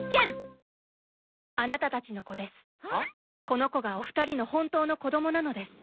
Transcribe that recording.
この子がお二人の本当の子供なのです。